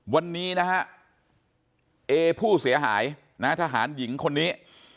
วันนี้นะฮะเอผู้เสียหายนะฮะทหารหญิงคนนี้